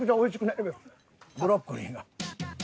ブロッコリーが。